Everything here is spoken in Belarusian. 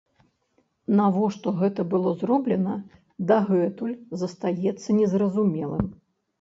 Навошта гэта было зроблена, дагэтуль застаецца незразумелым.